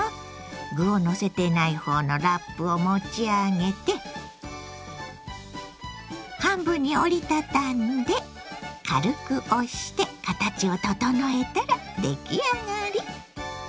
具をのせていない方のラップを持ち上げて半分に折り畳んで軽く押して形を整えたら出来上がり！